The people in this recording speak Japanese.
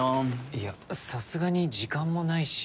いやさすがに時間もないし。